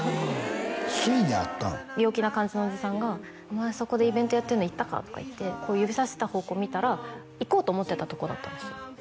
陽気な感じのおじさんが「お前そこでイベントやってるの行ったか？」とか言ってこう指さした方向見たら行こうと思ってたとこだったんですよ